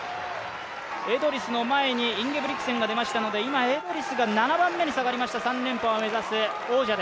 エドリスの前にインゲブリクセンが出ましたので、今、エドリスが７番目に下がりました。